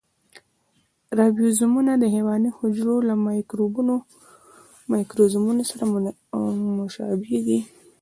رایبوزومونه د حیواني حجرو له مایکروزومونو سره مشابه دي.